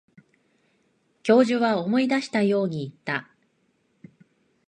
教授は思い出したように言った。